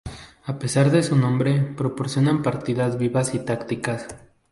A pesar de su nombre proporciona partidas vivas y tácticas.